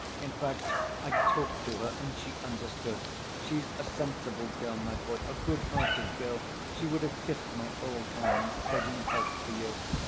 In fact, I talked to her and she understood. She's a sensible girl, my boy, a good‐hearted girl, she would have kissed my old hands, begging help for you.